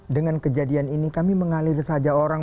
dengan kejadian ini kami mengalir saja orang